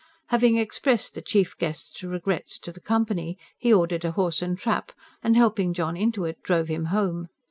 Having expressed the chief guest's regrets to the company, he ordered a horse and trap, and helping John into it drove him home.